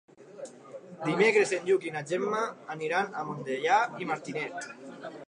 Dimecres en Lluc i na Gemma aniran a Montellà i Martinet.